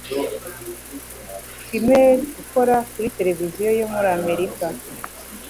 Kimmel ukora kuri televiziyo yo muri Amerika,